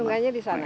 sungainya di sana